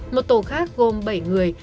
một tổ khác gồm bảy người